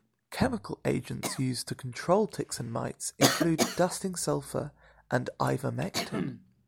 Chemical agents used to control ticks and mites include dusting sulfur and ivermectin.